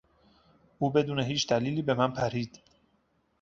او بدون هیچ دلیلی به من پرید.